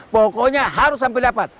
pokoknya harus sampai dapat